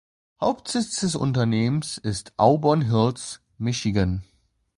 Der Hauptsitz des Unternehmens ist in Auburn Hills, Michigan.